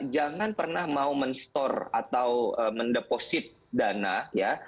jangan pernah mau men store atau mendeposit dana ya